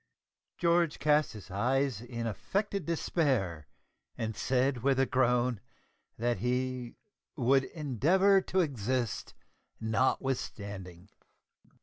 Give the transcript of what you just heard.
George cast up his eyes in affected despair, and said with a groan, that he "would endeavour to exist notwithstanding."